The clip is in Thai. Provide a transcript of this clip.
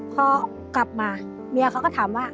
พอกลับมาเมียเขาก็ถามว่า